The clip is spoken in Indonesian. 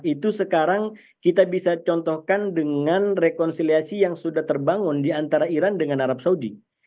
itu sekarang kita bisa contohkan dengan rekonsiliasi yang sudah terbangun di antara iran dengan arab saudi